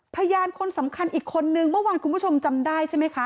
พยานคนสำคัญอีกคนนึงเมื่อวานคุณผู้ชมจำได้ใช่ไหมคะ